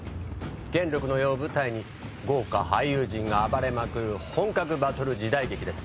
元禄の世を舞台に豪華俳優陣が暴れまくる本格バトル時代劇です。